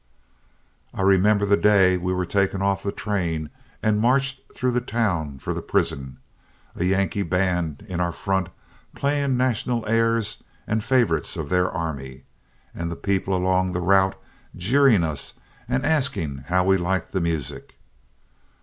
"I remember the day we were taken off the train and marched through the town for the prison, a Yankee band in our front playing national airs and favorites of their army, and the people along the route jeering us and asking how we liked the music.